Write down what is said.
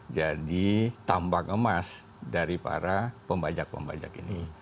jadi tambang emas dari para pembajak pembajak ini